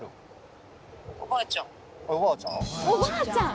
おばあちゃん？